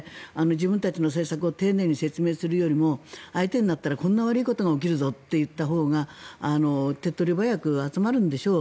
自分たちの政策を丁寧に説明するよりも相手になったらこんな悪いことが起きるぞと言ったほうが手っ取り早く集まるんでしょう。